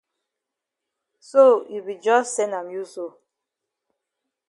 So you be jus sen am you so.